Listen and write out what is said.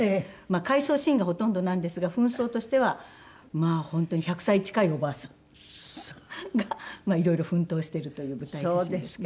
回想シーンがほとんどなんですが扮装としてはまあ本当に１００歳近いおばあさんが色々奮闘しているという舞台写真ですが。